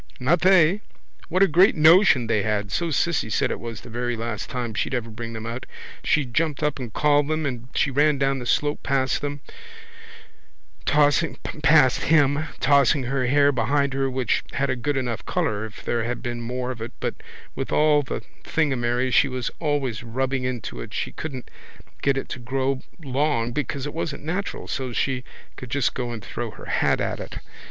Not they! What a great notion they had! So Cissy said it was the very last time she'd ever bring them out. She jumped up and called them and she ran down the slope past him, tossing her hair behind her which had a good enough colour if there had been more of it but with all the thingamerry she was always rubbing into it she couldn't get it to grow long because it wasn't natural so she could just go and throw her hat at it.